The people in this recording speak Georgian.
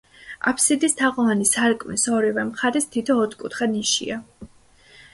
აფსიდის თაღოვანი სარკმლის ორივე მხარეს თითო ოთხკუთხა ნიშია.